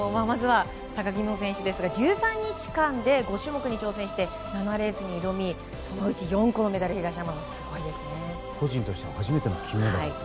まずは高木美帆選手ですが１３日間で５種目に挑戦して７レースに挑みそのうち４個のメダルを。